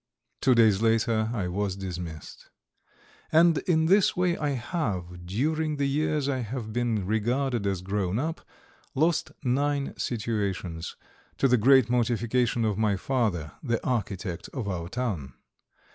Two days later I was dismissed. And in this way I have, during the years I have been regarded as grown up, lost nine situations, to the great mortification of my father, the architect of our town.